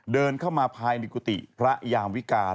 เดินเข้ามาภายในกุฏิพระยามวิการ